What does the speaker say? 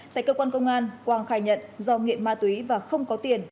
tại cơ quan công an quang khai nhận do nghiện ma túy và không có tiền